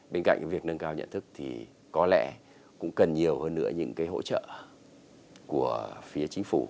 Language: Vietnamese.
bên cạnh việc nâng cao nhận thức thì có lẽ cũng cần nhiều hơn nữa những hỗ trợ của phía chính phủ